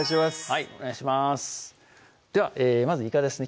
はいお願いしますではまずいかですね